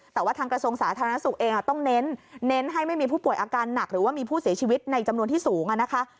แต่ว่าทางกระทรวงสาธารณสุขเองต้องเน้นให้ไม่มีผู้ป่วยอาการหนักหรือว่ามีผู้เสียชีวิตในจำนวนที่สูงนะคะ